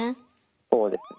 そうですね。